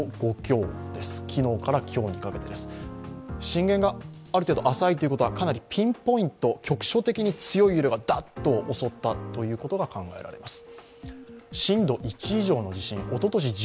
震源がある程度浅いということは、かなりピンポイント、局所的に強い揺れがだっと襲ったということが考えられます。